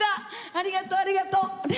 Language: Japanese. ありがとうありがとうね。